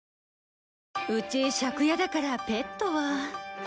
うち借家だからペットは。